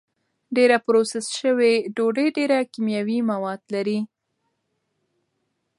ډېره پروسس شوې ډوډۍ ډېر کیمیاوي مواد لري.